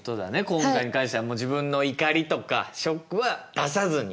今回に関してはもう自分の怒りとかショックは出さずに。